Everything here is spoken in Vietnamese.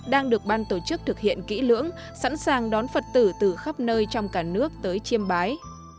đang được ban tổ chức thực hiện kỹ lưỡng sẵn sàng đón phật tử từ khắp nơi trong cả nước tới chiêm bái